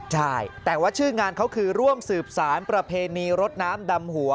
ใช่แต่ว่าชื่องานเขาคือร่วมสืบสารประเพณีรถน้ำดำหัว